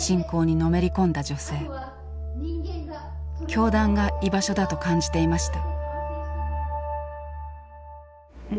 教団が居場所だと感じていました。